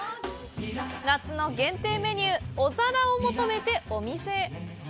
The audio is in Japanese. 夏の限定メニュー、おざらを求めてお店へ。